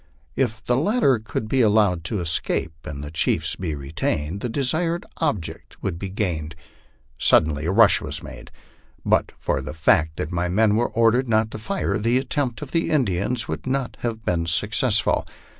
If the latter could be allowed to escape and the chiefs be retained, the desired object would be gained. Suddenly a rush was made. But for the fact that my men were ordered not to fire, the attempt of the Indians would not have been successful.